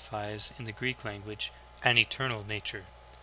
99 fies, in the Greek language, an eternal nature.